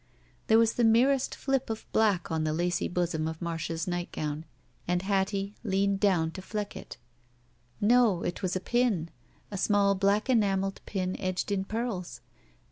There was the merest flip of blade on the lacy bosom of Marda's nightgown, and Hattie leaned down to fleck it. No. It was a pin — a small black enameled pin edged in pearls.